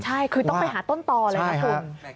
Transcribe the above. ใช่คือต้องไปหาต้นต่อเลยนะคุณ